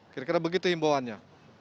kira kira begitu himbauannya